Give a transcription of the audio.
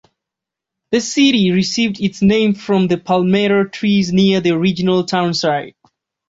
The city received its name from the palmetto trees near the original town site.